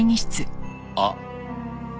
あっ。